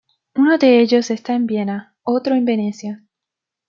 Uno de ellos está en Viena, otro en Venecia.